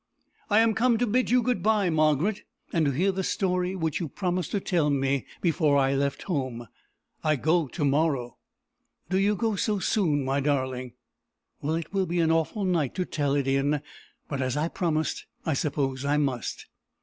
"I am come to bid you good bye, Margaret; and to hear the story which you promised to tell me before I left home: I go to morrow." "Do you go so soon, my darling? Well, it will be an awful night to tell it in; but, as I promised, I suppose I must."